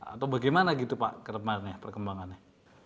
atau bagaimana gitu pak kenemanya perkembangannya